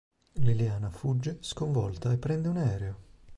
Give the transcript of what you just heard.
Liliana fugge sconvolta e prende un aereo.